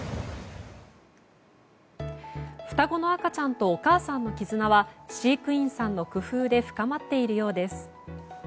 双子の赤ちゃんとお母さんの絆は飼育員さんの工夫で深まっているようです。